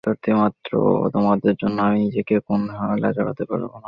তোমাদের জন্য আমি নিজেকে কোন ঝামেলায় জড়াতে পারবো না।